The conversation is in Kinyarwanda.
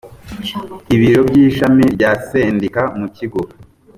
ibiro by ishami rya sendika mu kigo